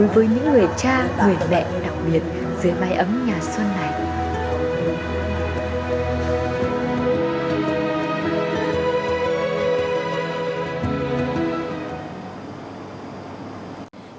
với những người cha người mẹ đặc biệt dưới mái ấm nhà xuân này